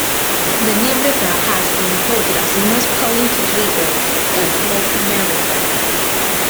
The New River has been reported as the most polluted river in North America.